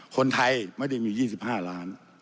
คนไทยไม่ได้มี๒๕ล้าน